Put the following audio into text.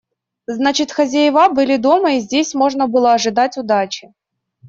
Значит, хозяева были дома и здесь можно было ожидать удачи.